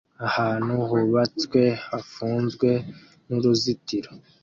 Ahantu hubatswe hafunzwe nuruzitiro